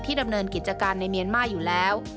ดำเนินกิจการในเมียนมาร์อยู่แล้ว